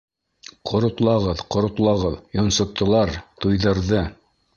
Ҡоротлағыҙ, ҡоротлағыҙ, Йонсоттолар, туйҙырҙы.